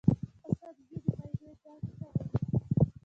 دا سبزی د معدې درد کموي.